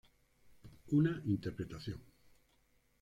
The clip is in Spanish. Una interpretación".